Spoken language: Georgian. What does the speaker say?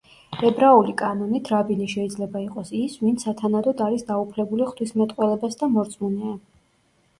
ებრაული კანონით, რაბინი შეიძლება იყოს ის, ვინც სათანადოდ არის დაუფლებული ღვთისმეტყველებას და მორწმუნეა.